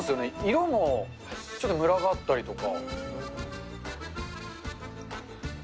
色もちょっとむらがあったりとか。